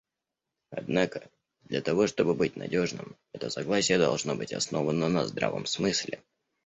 Однако, для того чтобы быть надежным, это согласие должно быть основано на здравом смысле.